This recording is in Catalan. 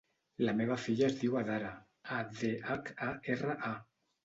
La meva filla es diu Adhara: a, de, hac, a, erra, a.